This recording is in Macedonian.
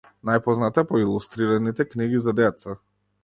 Најпознат е по илустрираните книги за деца.